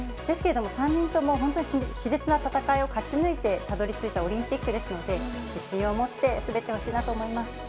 ですけども、３人とも本当にしれつな戦いを勝ち抜いてたどりついたオリンピックですので、自信を持って、滑ってほしいなと思います。